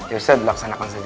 ya ustadz laksanakan saja